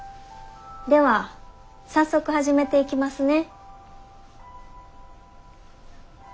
では早速始めていきますね。